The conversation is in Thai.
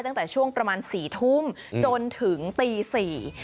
ตั้งแต่ช่วงประมาณสี่ทุ่มจนถึงตีสี่